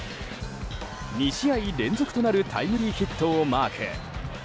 ２試合連続となるタイムリーヒットをマーク。